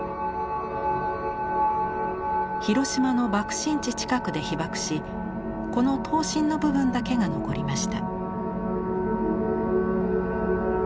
広島の爆心地近くで被曝しこの塔身の部分だけが残りました。